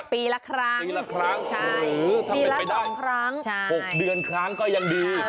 ปีละครั้งหรือถ้าเป็นไปได้๖เดือนครั้งก็ยังดี